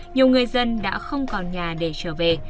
nhiều người dân đã không còn nhà để trở về